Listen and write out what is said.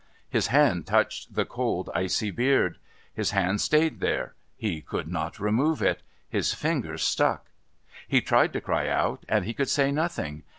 His hand touched the cold icy beard! His hand stayed there. He could not remove it. His fingers stuck. He tried to cry out, and he could say nothing.